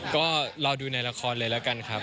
ก็รอดูในละครเลยแล้วกันครับ